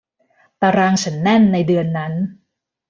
ตารางฉันแน่นในเดือนนั้น